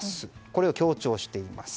これを強調しています。